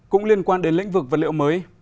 cũng liên quan đến lĩnh vực vật liệu mới